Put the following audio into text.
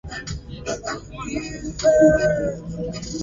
Menya viazi lishe vyako kabla ya kula